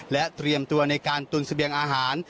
และเตรียมตัวในการตุนเสบียงอาหาร